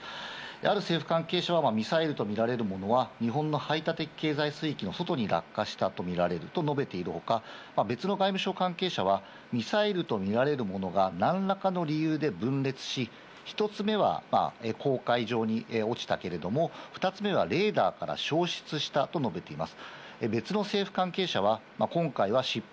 ある政府関係者はミサイルとみられるものは日本の排他的経済水域の外に落下したとみられると述べている他、別の外務省関係者はミサイルとみられるものが何らかの理由で分裂し、１つ目は公海上に落ちたけれども、２つ目はレーダーから消失したと述べています。